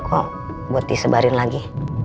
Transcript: kok buat disebarin lagi